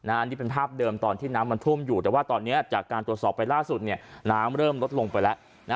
อันนี้เป็นภาพเดิมตอนที่น้ำมันท่วมอยู่แต่ว่าตอนนี้จากการตรวจสอบไปล่าสุดน้ำเริ่มลดลงไปแล้ว